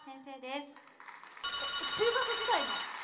中学時代の？